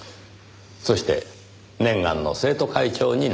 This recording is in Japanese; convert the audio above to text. そして念願の生徒会長になった。